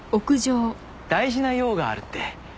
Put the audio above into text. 大事な用があるって。